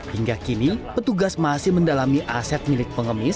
hingga kini petugas masih mendalami aset milik pengemis